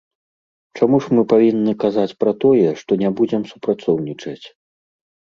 Чаму ж мы павінны казаць пра тое, што не будзем супрацоўнічаць?